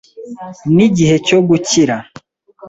N'igihe cyo gukira